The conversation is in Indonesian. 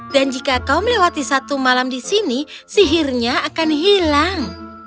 dan jika kau melewati satu malam di sini sihirnya akan hilang